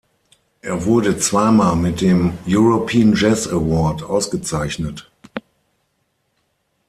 Er wurde zweimal mit dem "European Jazz Award" ausgezeichnet.